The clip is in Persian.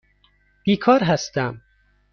بیکار هستم.